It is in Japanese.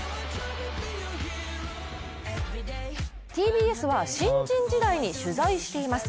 ＴＢＳは、新人時代に取材しています。